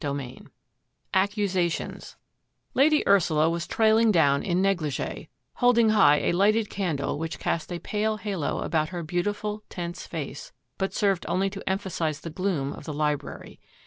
»' CHAPTER IX ACCUSATIONS Lady Ursula was trailing down in negligee, holding high a lighted candle which cast a pale halo about her beautiful, tense face, but served only to emphasise the gloom of the library.